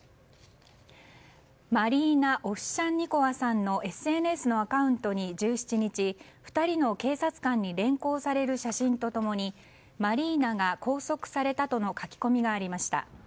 マリーナ・オフシャンニコワさんのＳＮＳのアカウントに１７日２人の警察官に連行される写真と共にマリーナが拘束されたとの書き込みがありました。